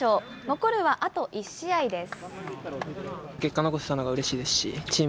残るはあと１試合です。